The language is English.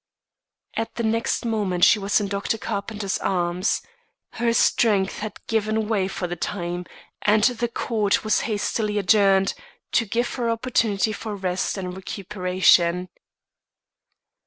At the next moment she was in Dr. Carpenter's arms. Her strength had given way for the time, and the court was hastily adjourned, to give her opportunity for rest and recuperation.